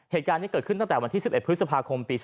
เหตุการณ์นี้เกิดขึ้นตั้งแต่วันที่๑๑พฤษภาคมปี๒๕